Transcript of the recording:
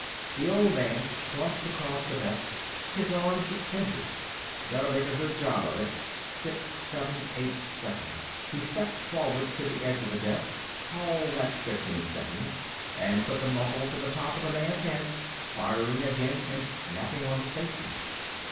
The old man slumped across the desk, his arms extended. Better make a good job of it, six, seven, eight seconds; he stepped forward to the edge of the desk, call that fifteen seconds, and put the muzzle to the top of the man's head, firing again and snapping on the safety.